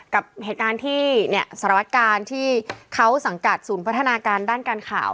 กับเหตุการณ์ที่เนี่ยสารวัตการที่เขาสังกัดศูนย์พัฒนาการด้านการข่าว